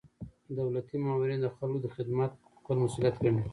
دولتي مامورین د خلکو خدمت خپل مسؤلیت ګڼي.